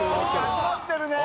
集まってるね。）